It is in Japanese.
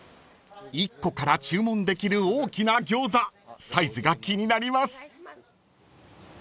［１個から注文できる大きな餃子サイズが気になります］